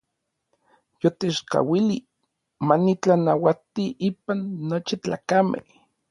Yotechkauilij ma nitlanauati inpan nochi tlakamej.